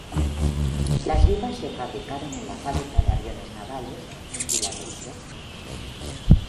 Las vigas se fabricaron en la "Fábrica de Aviones Navales" en Filadelfia.